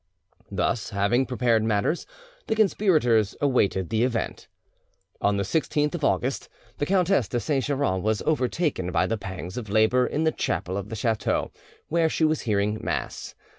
Thus, having prepared matters, the conspirators awaited the event. On the 16th of August the Countess de Saint Geran was overtaken by the pangs of labour in the chapel of the chateau, where she was hearing mass.